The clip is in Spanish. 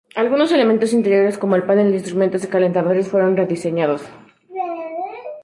Algunos elementos interiores, como el panel de instrumentos y los calentadores, fueron rediseñados.